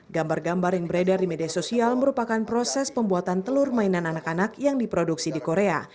gambar gambar yang beredar di media sosial merupakan proses pembuatan telur mainan anak anak yang diproduksi di korea